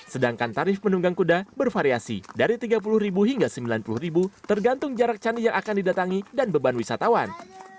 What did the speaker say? sedangkan tarif penunggang kuda bervariasi dari rp tiga puluh hingga rp sembilan puluh tergantung jarak candi yang akan didatangi dan beban wisatawan